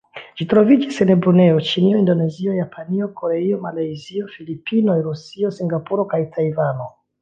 Ĝi troviĝas en Brunejo, Ĉinio, Indonezio, Japanio, Koreio, Malajzio, Filipinoj, Rusio, Singapuro kaj Tajvano.